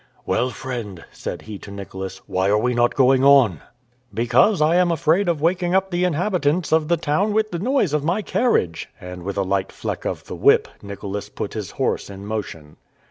"Well, friend," said he to Nicholas, "why are we not going on?" "Because I am afraid of waking up the inhabitants of the town with the noise of my carriage!" And with a light fleck of the whip, Nicholas put his horse in motion.